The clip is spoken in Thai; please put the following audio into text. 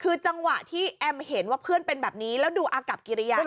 คือจังหวะที่แอมเห็นว่าเพื่อนเป็นแบบนี้แล้วดูอากับกิริยา